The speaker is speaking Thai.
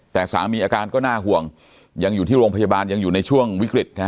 แต่สามีอาการก็น่าห่วงยังอยู่ที่โรงพยาบาลยังอยู่ในช่วงวิกฤตนะฮะ